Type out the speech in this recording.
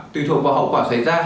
tùy thuộc vào hậu quả xảy ra